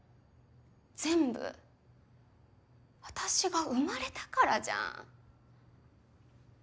全部私が生まれたからじゃん。